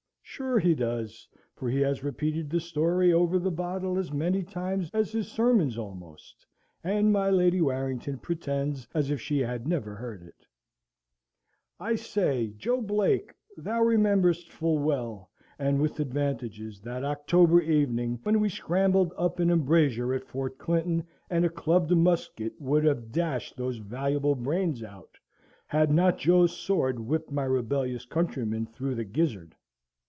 (sure he does, for he has repeated the story over the bottle as many times as his sermons almost, and my Lady Warrington pretends as if she had never heard it) I say, Joe Blake, thou rememberest full well, and with advantages, that October evening when we scrambled up an embrasure at Fort Clinton and a clubbed musket would have dashed these valuable brains out, had not Joe's sword whipped my rebellious countryman through the gizzard.